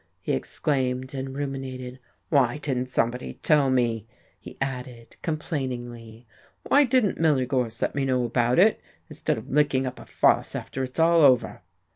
he exclaimed, and ruminated. "Why didn't somebody tell me?" he added, complainingly. "Why didn't Miller Gorse let me know about it, instead of licking up a fuss after it's all over?"...